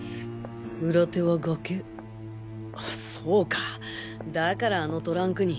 裏手は崖そうかだからあのトランクに！